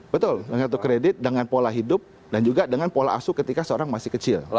betul kartu kredit dengan pola hidup dan juga dengan pola asuh ketika seorang masih kecil